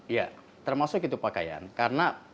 ya termasuk itu pakaian